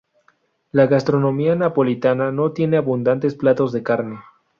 La gastronomía napolitana no tiene abundantes platos de carne.